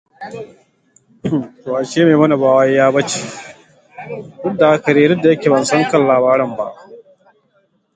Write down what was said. Aliyu ya fada mini cewar yayi tunanin Maimuna wayayyiya ce.